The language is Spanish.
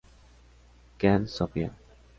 Kearns, Sofía.